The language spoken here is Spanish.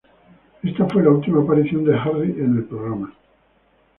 Esta fue la última aparición de Harry en el programa.